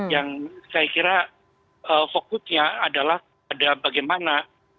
yang saya kira fokusnya adalah pada bagaimana